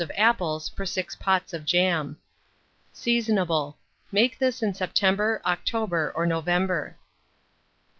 of apples for 6 pots of jam. Seasonable. Make this in September, October, or November.